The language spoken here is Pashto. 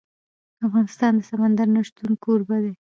افغانستان د سمندر نه شتون کوربه دی.